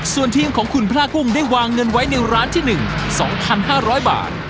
ส่วนทีมของคุณพระกุ้งได้วางเงินไว้ในร้านที่หนึ่งสองพันห้าร้อยบาท